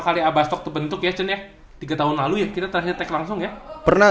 kali abas talk terbentuk ya cun ya tiga tahun lalu ya kita akhirnya tek langsung ya pernah